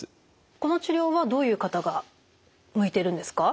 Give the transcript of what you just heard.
この治療はどういう方が向いてるんですか？